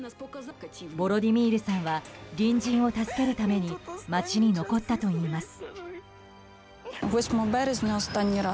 ボロディミールさんは隣人を助けるために街に残ったといいます。